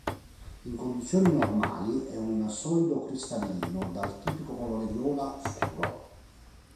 In condizioni normali è un solido cristallino dal tipico colore viola scuro.